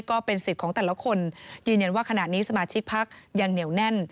ก็เป็นสิทธิ์ของแต่ละคนยืนยันว่าขณะนี้สมาชิกพักยังเหนียวแน่น